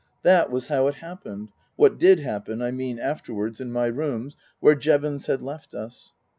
That was how it happened what did happen, I mean, afterwards, in my rooms where Jevons had left us.